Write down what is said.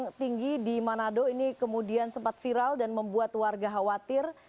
yang tinggi di manado ini kemudian sempat viral dan membuat warga khawatir